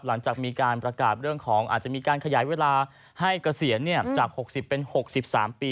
หลังจากมีการประกาศเรื่องของอาจจะมีการขยายเวลาให้เกษียณจาก๖๐เป็น๖๓ปี